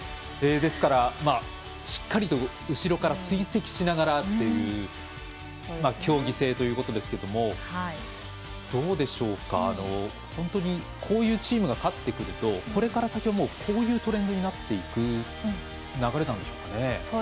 ですから、しっかりと後ろから追跡しながらという競技性ということですけれども本当にこういうチームが勝ってくると、これから先こういうトレンドになっていく流れなんでしょうかね。